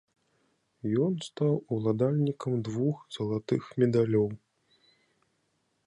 Ён стаў уладальнікам двух залатых медалёў.